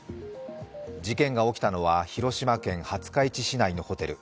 事件が起きたのは広島県廿日市市内のホテル。